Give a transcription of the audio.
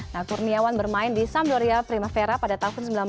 nah kurniawan bermain di sampdoria primavera pada tahun sembilan belas